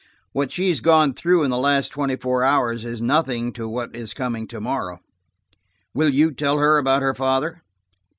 "What she has gone through in the last twenty four hours is nothing to what is coming to morrow. Will you tell her about her father?"